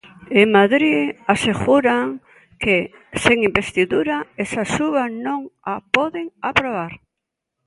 En Madrid aseguran que, sen investidura, esa suba non a poden aprobar.